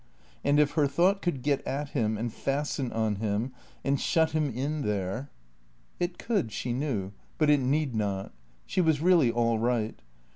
And if her thought could get at him and fasten on him and shut him in there It could, she knew; but it need not. She was really all right.